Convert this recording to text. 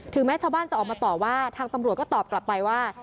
แม้ชาวบ้านจะออกมาต่อว่าทางตำรวจก็ตอบกลับไปว่า